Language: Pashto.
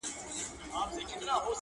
o خدای ورکړي دوه زامن په یوه شپه وه,